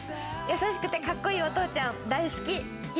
優しくてかっこいいお父ちゃん、大好き。